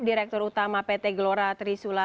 direktur utama pt glora trisula